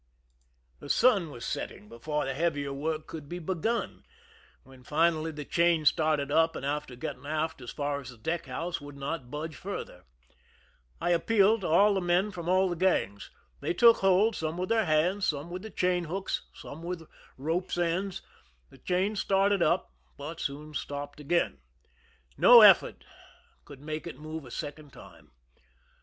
The sun was setting be . 46 JlArLlKii Tin ] AXCHOK CHAIX TO I'lJE STERX. THE SCHEME AND THE PREPARATIONS fore the heavier work could be begun, when finally the chain started up, and after getting aft as far as the deck house, would not budge farther. I ap pealed to all the men from all the gangs. They took hold, some with their hands, some with the chain hooks, some ^^ith ropes' ends. The chain started up, but soon sijopped again. No effort could make it move a second time.